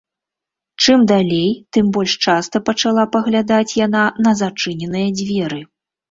Чым далей, тым больш часта пачала паглядаць яна на зачыненыя дзверы.